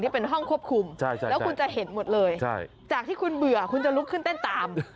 เป็นห้องควบคุมแล้วคุณจะเห็นหมดเลยจากที่คุณเบื่อคุณจะลุกขึ้นเต้นตาม